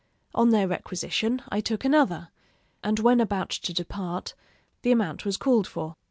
On their requisition, I took another; and when about to depart, the amount was called for.